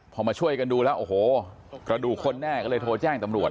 พอมาช่วยกันดูแล้วโอ้โหกระดูกคนแน่ก็เลยโทรแจ้งตำรวจ